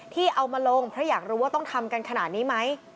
ที่เอามาลงเพราะอยากรู้ว่าต้องทำกันขนาดนี้ไหม